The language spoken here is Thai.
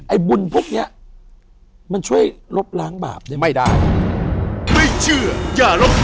ไอ้บุญพวกเนี่ยมันช่วยลบล้างบาปเนี่ย